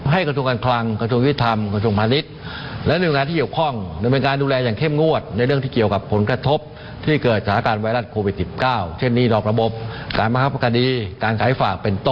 ให้กระทรวงการคลังกระทรวงการวิทธรรมกระทรวงการภาษณ์ธรรมและกระทรวงการที่เกี่ยวข้อง